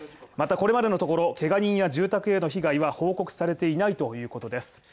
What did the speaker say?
またこれまでのところけが人や住宅への被害は報告されていないということです。